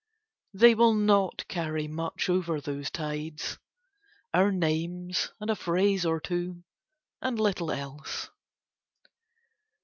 They will not carry much over those tides, our names and a phrase or two and little else.